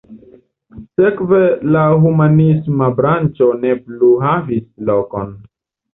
Sekve la humanisma branĉo ne plu havis lokon.